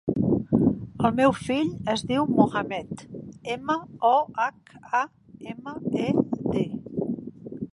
El meu fill es diu Mohamed: ema, o, hac, a, ema, e, de.